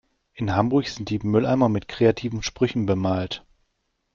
In Hamburg sind die Mülleimer mit kreativen Sprüchen bemalt.